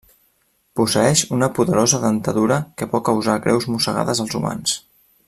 Posseeix una poderosa dentadura que pot causar greus mossegades als humans.